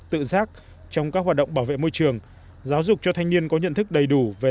tự giác trong các hoạt động bảo vệ môi trường giáo dục cho thanh niên có nhận thức đầy đủ về